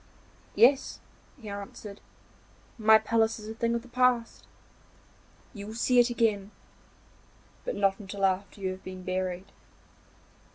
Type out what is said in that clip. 'Yes,' he answered, 'my palace is a thing of the past; you will see it again, but not until after you have been buried.